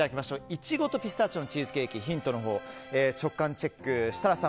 イチゴとピスタチオのチーズケーキ、ヒントのほう直感チェック、設楽さん